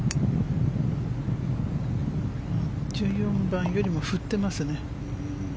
１４番よりも振ってますね。